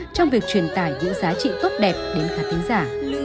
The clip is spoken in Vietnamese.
trong việc truyền tải những giá trị tốt đẹp đến khán tính giả